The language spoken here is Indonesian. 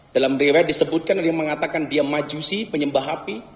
dalam riwayat disebutkan ada yang mengatakan dia majusi penyembah api